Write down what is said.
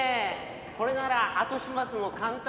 これなら後始末も簡単です。